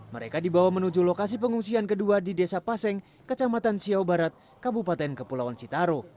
mereka dibawa menuju lokasi pengungsian kedua di desa paseng kecamatan siau barat kabupaten kepulauan sitaro